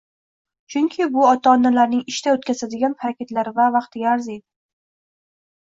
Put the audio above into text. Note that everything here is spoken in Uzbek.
chunki bu ota-onalarning ishda o'tkazadigan harakatlari va vaqtiga arziydi.